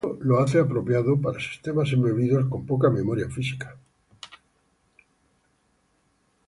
Esto lo hace apropiado para sistemas embebidos con poca memoria física.